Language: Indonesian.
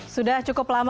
sudah cukup lama